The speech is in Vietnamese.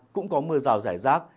cũng có mưa rào giải rác